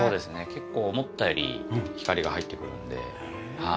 結構思ったより光が入ってくるので。